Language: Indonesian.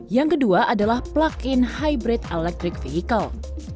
yang kedua adalah plug in hybrid electric vehicle